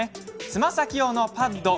つま先用のパッド。